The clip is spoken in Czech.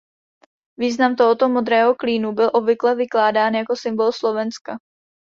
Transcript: Význam tohoto modrého klínu byl obvykle vykládán jako symbol Slovenska.